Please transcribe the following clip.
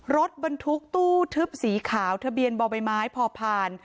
รถบรรทุกตู้ทึบสีขาวทะเบียนบ่อใบไม้พอผ่าน